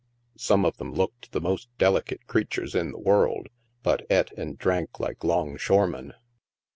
Some of them looked the most delicate creatures in the world, but eat and drank like 'longshoremen.